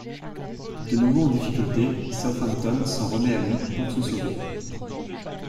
De nouveau en difficulté, Southampton s'en remet à lui pour se sauver.